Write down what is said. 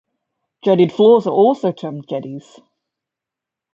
Jettied floors are also termed "jetties".